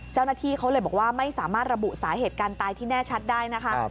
เจ้าหน้าที่เขาเลยบอกว่าไม่สามารถระบุสาเหตุการตายที่แน่ชัดได้นะคะ